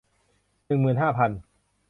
หนึ่งหมื่นห้าพัน